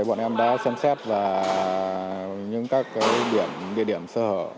bọn em đã xem xét vào những các địa điểm sơ hở